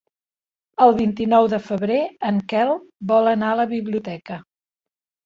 El vint-i-nou de febrer en Quel vol anar a la biblioteca.